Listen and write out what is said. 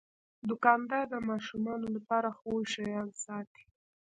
دوکاندار د ماشومانو لپاره خوږ شیان ساتي.